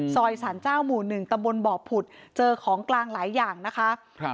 สารเจ้าหมู่หนึ่งตำบลบ่อผุดเจอของกลางหลายอย่างนะคะ